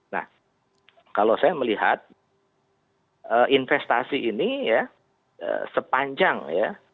nah kalau saya melihat investasi ini ya sepanjang ya